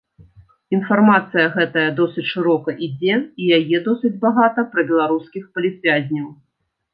Інфармацыя гэтая досыць шырока ідзе і яе досыць багата пра беларускіх палітвязняў.